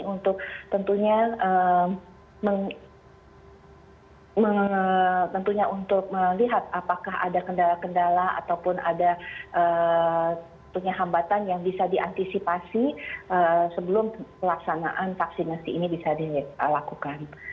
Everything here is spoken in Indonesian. untuk tentunya untuk melihat apakah ada kendala kendala ataupun ada hambatan yang bisa diantisipasi sebelum pelaksanaan vaksinasi ini bisa dilakukan